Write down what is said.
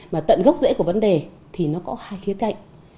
mà tận gốc rễ của vấn đề thì nó có hai khía cạnh